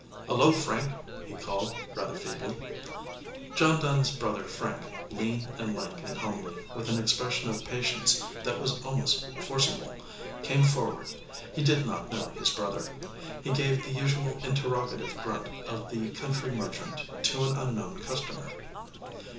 "Hullo, Frank!" he called, rather feebly. John Dunn s brother Frank, lean and lank and homely, with an expression of patience that was almost forcible, came forward. He did not know his brother. He gave the usual interrogative grunt of the country merchant to an unknown customer.